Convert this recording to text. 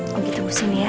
nanti tunggu sini ya